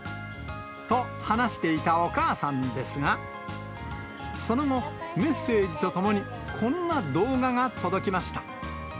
と話していたお母さんですが、その後、メッセージとともに、こんな動画が届きました。